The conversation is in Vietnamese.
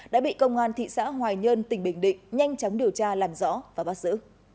đã bị công an thị xã hoài nhơn tỉnh bình định nhanh chóng điều tra làm rõ và bắt giữ